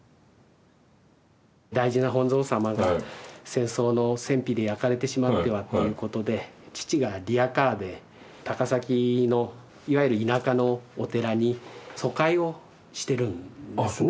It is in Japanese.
大事な本尊様が戦争の戦火で焼かれてしまってはということで父がリヤカーで高崎のいわゆる田舎のお寺に疎開をしてるんですね。